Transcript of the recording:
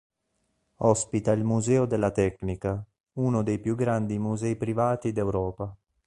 Ospita il Museo della Tecnica, uno dei più grandi musei privati d'Europa.